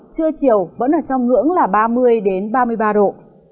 trưa chiều vẫn ở trong ngưỡng là ba mươi ba mươi ba độ